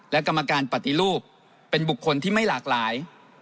และกรรมการปฏิรูปเป็นบุคคลที่ไม่หลากหลาย